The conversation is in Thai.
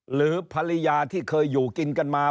หรือภรรยาที่เคยอยู่กินกันมา